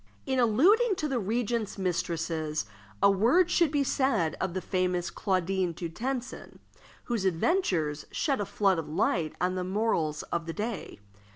In alluding to the regent's mistresses, a word should be said of the famous Claudine du Tencin, whose adventures shed a flood of light on the morals of the day.